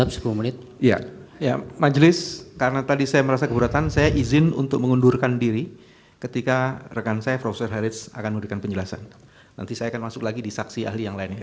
sebagai konsistensi dari sikap saya terima kasih